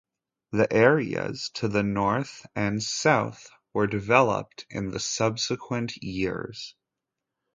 The areas to the north and south were developed in the subsequent years.